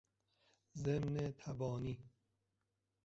ضمن تبانی